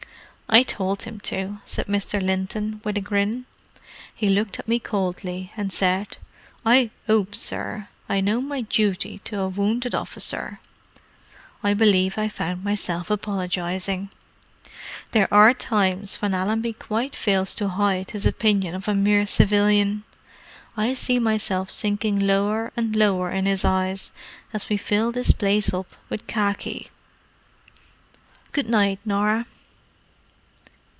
"I told him to," said Mr. Linton, with a grin. "He looked at me coldly, and said, 'I 'ope, sir, I know my duty to a wounded officer.' I believe I found myself apologizing. There are times when Allenby quite fails to hide his opinion of a mere civilian: I see myself sinking lower and lower in his eyes as we fill this place up with khaki: Good night, Norah."